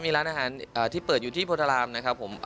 มีร้านอาหารที่เปิดอยู่ที่โพธารามนะครับผม